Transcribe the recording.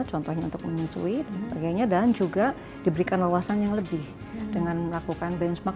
contohnya untuk menyusui dan sebagainya dan juga diberikan wawasan yang lebih dengan melakukan benchmark